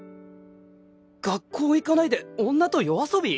学校行かないで女と夜遊び！？